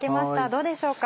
どうでしょうか？